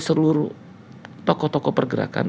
seluruh tokoh tokoh pergerakan